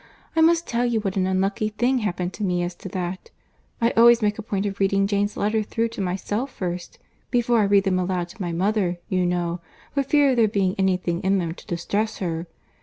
I must tell you what an unlucky thing happened to me, as to that. I always make a point of reading Jane's letters through to myself first, before I read them aloud to my mother, you know, for fear of there being any thing in them to distress her.